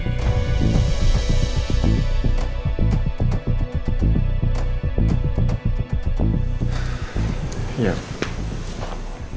ia sudah disuruh pak al